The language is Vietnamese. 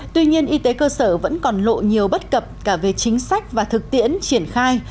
tuy nhiên y tế cơ sở vẫn còn lộ nhiều bất cập cả về chính sách và thực tiễn triển khai